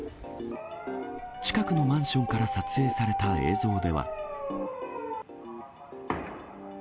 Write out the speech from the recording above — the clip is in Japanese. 近くのマンションから撮影された映像では。